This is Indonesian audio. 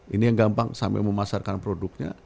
ini yang gampang sampai memasarkan produknya